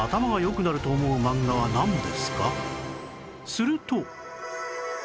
すると